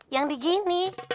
yang di gini